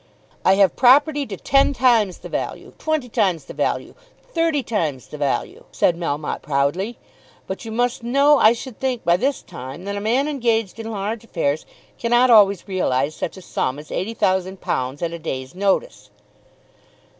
"I have property to ten times the value, twenty times the value, thirty times the value," said Melmotte proudly; "but you must know I should think by this time that a man engaged in large affairs cannot always realise such a sum as eighty thousand pounds at a day's notice."